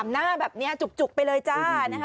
๓หน้าแบบนี้จุกไปเลยจ้า